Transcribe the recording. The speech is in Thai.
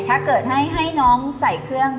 ถ้าเกิดให้น้องใส่เครื่อง